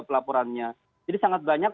pelaporannya jadi sangat banyak